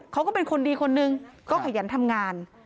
เขาก็เป็นคนดีคนนึงก็ขยันทำงาน